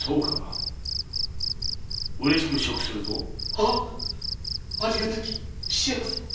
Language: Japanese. ははっありがたき幸せ！